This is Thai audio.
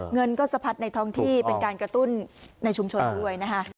เงินก็สะพัดในท้องที่เป็นการกระตุ้นในชุมชนด้วยนะคะ